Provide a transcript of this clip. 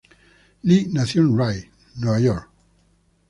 Lee nació en Rye, Nueva York.